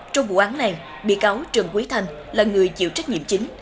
trong vụ án này bị cáo trần quý thanh là người chịu trách nhiệm chính